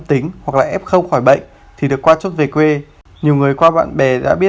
xin chào và hẹn gặp lại